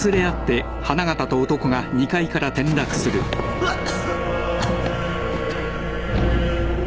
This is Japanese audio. うわっ！